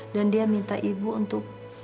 dan dia minta ibu untuk